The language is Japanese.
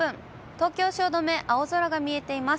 東京・汐留、青空が見えています。